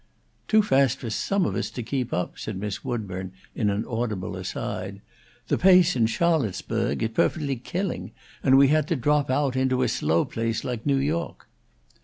"Too fast for some of us to keep up," said Miss Woodburn, in an audible aside. "The pace in Charlottesboag is pofectly killing, and we had to drop oat into a slow place like New York."